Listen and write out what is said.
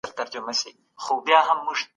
جهاد زموږ د پلار او نیکه لاره ده.